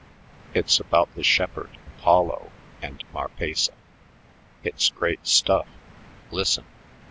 It's about the shepherd, Apollo, and Marpessa. It's great stuff. Listen."